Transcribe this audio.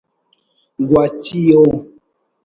گواچی ءُ